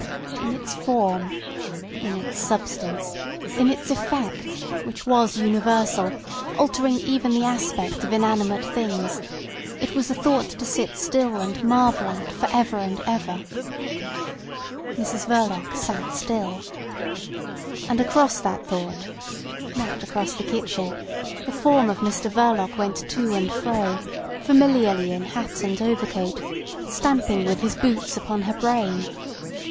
In its form, in its substance, in its effect, which was universal, altering even the aspect of inanimate things, it was a thought to sit still and marvel at for ever and ever. Mrs Verloc sat still. And across that thought (not across the kitchen) the form of Mr Verloc went to and fro, familiarly in hat and overcoat, stamping with his boots upon her brain.